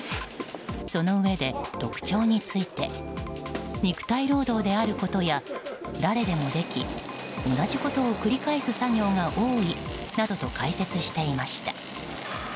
そのうえで、特徴について肉体労働であることや誰でもでき同じことを繰り返す作業が多いなどと解説していました。